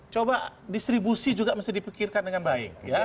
coba distribusi juga mesti dipikirkan dengan baik